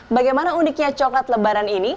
bagaimana uniknya coklat lebaran ini